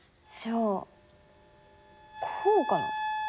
じゃあこうかな。